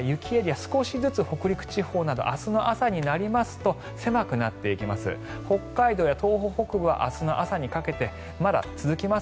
少しずつ北陸地方など明日の朝になりますと狭くなっていきます。